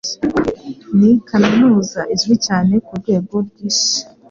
Ni Kaminuza izwi cyane ku rwego rw’isi